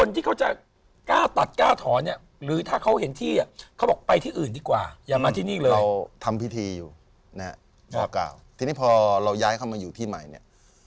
ทีนี้พอเราย้ายเข้ามาอยู่ที่ใหม่เนี่ย